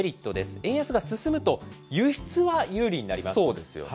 円安が進むと、輸出は有利になります。